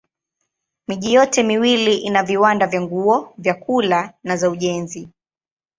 Miji yote miwili ina viwanda vya nguo, vyakula na za ujenzi.